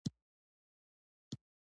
هغوی د وضاحت پر ځای ابهام خپرولو.